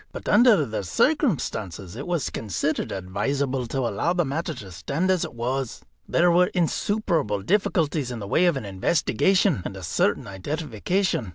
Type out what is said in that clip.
But under the circumstances it was considered advisable to allow the matter to stand as it was. There were insuperable difficulties in the way of an investigation and a certain identification.